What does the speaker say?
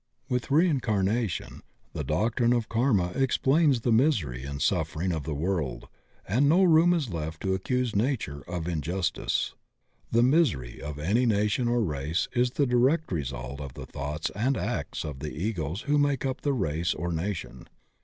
With reincarnation ^e doctrine of karma explains the misery and suffering of the world and no room is left to accuse Nature of injustice. The misery of any nation or race is the direct result of the thoughts and acts of the Egos who make up the race or nation.